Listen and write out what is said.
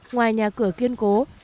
ngoài nhà cửa kiên cố